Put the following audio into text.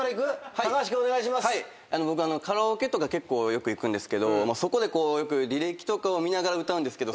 僕カラオケとか結構よく行くんですけどそこで履歴とかを見ながら歌うんですけど。